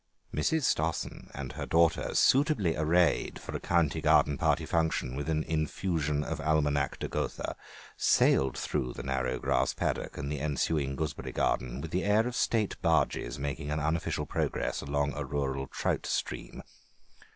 Mrs. Stossen and her daughter, suitably arrayed for a county garden party function with an infusion of Almanack de Gotha, sailed through the narrow grass paddock and the ensuing gooseberry garden with the air of state barges making an unofficial progress along a rural trout stream.